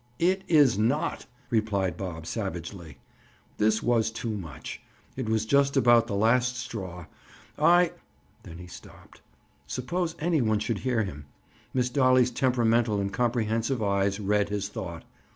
"It is not," replied Bob savagely. This was too much. It was just about the last straw. "I—" Then he stopped. Suppose any one should hear him? Miss Dolly's temperamental and comprehensive eyes read his thought.